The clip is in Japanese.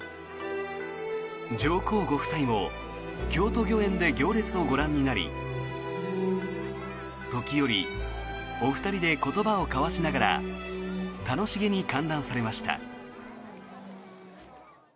上皇ご夫妻も京都御苑で行列をご覧になり時折、お二人で言葉を交わしながら楽しげに観覧されました。